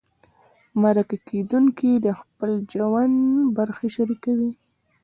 مرکه کېدونکی د خپل ژوند برخې شریکوي.